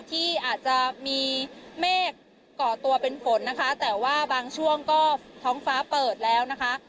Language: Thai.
ที่อาจจะมีเมฆก่อตัวเป็นฝนนะคะแต่ว่าบางช่วงก็ท้องฟ้าเปิดแล้วนะคะ